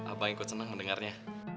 abang ikut senang mendengarnya